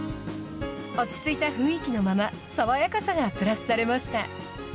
落ち着いた雰囲気のままさわやかさがプラスされました。